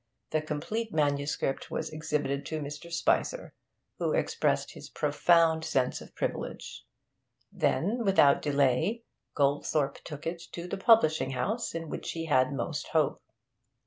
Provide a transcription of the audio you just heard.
The complete manuscript was exhibited to Mr. Spicer, who expressed his profound sense of the privilege. Then, without delay, Goldthorpe took it to the publishing house in which he had most hope.